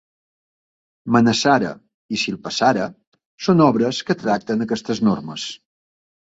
Manasara i Silpasara són obres que tracten aquestes normes.